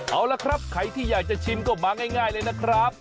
เอาละครับใครที่อยากจะชิมก็มาง่ายเลยนะครับ